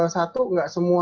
satu nggak sepenuhnya